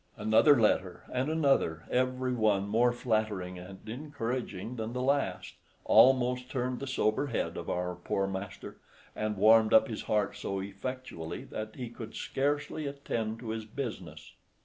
Another letter and another, every one more flattering and encouraging than the last, almost turned the sober head of our poor master, and warmed up his heart so effectually that he could scarcely attend to his business.